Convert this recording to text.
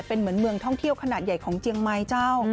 เป็นเหมือนเมืองท่องเที่ยวขนาดใหญ่ของเจียงไม้เจ้า